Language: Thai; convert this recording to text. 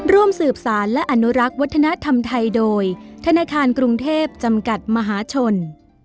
ร่วมสืบสารและอนุรักษ์วัฒนธรรมไทยโดยธนาคารกรุงเทพจำกัดมหาชน